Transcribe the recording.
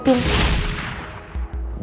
tapi untuk dihadepin